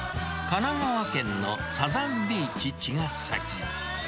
神奈川県のサザンビーチちがさき。